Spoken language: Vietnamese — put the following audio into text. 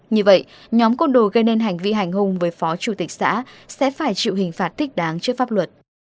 như vậy nhóm côn đồ gây nên hành vi hành hung với phó chủ tịch xã sẽ phải chịu hình phạt thích đáng trước pháp luật